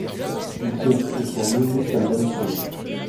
Il s'agit de son unique album solo.